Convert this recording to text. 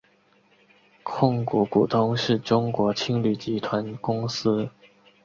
控股股东是中国青旅集团公司。